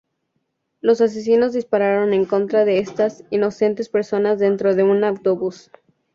Los asesinos dispararon en contra de estas inocentes personas dentro de un autobús.